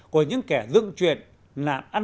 của những kẻ dựng chuyện nạn an ninh mạng